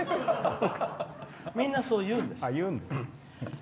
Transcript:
みんな、そう言うんです。